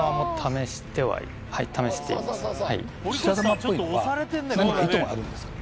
白玉っぽいのは何か意図があるんですか？